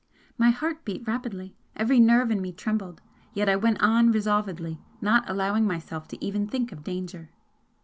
My heart beat rapidly; every nerve in me trembled yet I went on resolvedly, not allowing myself to even think of danger.